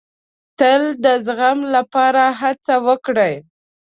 تل د زغم لپاره هڅه وکړئ.